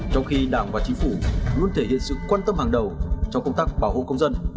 trong khi đảng và chính phủ luôn thể hiện sự quan tâm hàng đầu trong công tác bảo hộ công dân